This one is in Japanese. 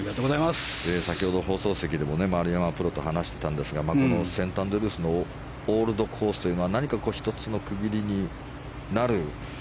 先ほど、放送席でも丸山プロと話していたんですがこのセントアンドリュースのオールドコースというのは何か１つの区切りになる。